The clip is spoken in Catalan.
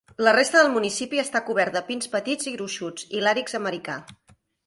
La resta del municipi està cobert de pins petits i gruixuts, i làrix americà.